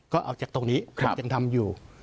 ก็เอาจากตรงนี้ผมยังทำอยู่